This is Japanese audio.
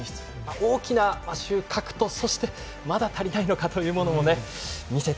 大きな収穫と、そしてまだ足りないのかというものもね見せた。